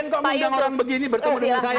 cnn kok mengundang undang begini bertemu dengan saya